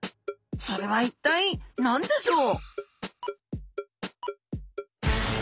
それは一体何でしょう？